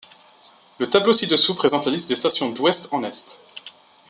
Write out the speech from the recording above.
Le tableau ci-dessous présente la liste des stations d'ouest en est.